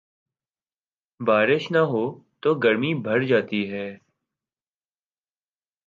بارش نہ ہوتو گرمی بڑھ جاتی ہے۔